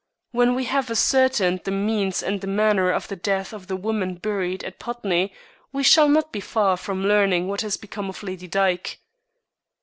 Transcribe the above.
When we have ascertained the means and the manner of the death of the woman buried at Putney we shall not be far from learning what has become of Lady Dyke."